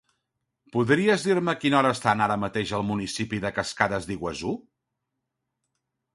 Podries dir-me a quina hora estan ara mateix al municipi de Cascades d'Iguaçú?